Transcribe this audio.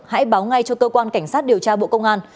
hãy báo ngay cho cơ quan cảnh sát điều tra bộ công an